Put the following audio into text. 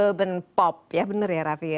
urban pop ya bener ya rafi